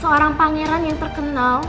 seorang pangeran yang terkenal